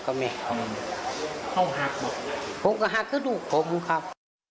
เข้าหักก็ลูกผมครับ